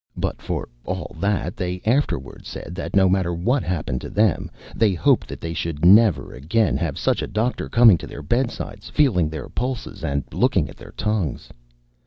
But, for all that, they afterward said that no matter what happened to them, they hoped that they should never again have such a doctor coming to their bedsides, feeling their pulses and looking at their tongues.